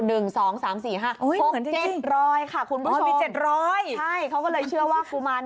เหมือนจริงค่ะคุณผู้ชมใช่เขาก็เลยเชื่อว่ามีเหมือนจริง